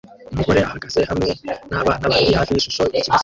Umugore ahagaze hamwe nabana babiri hafi yishusho yikimasa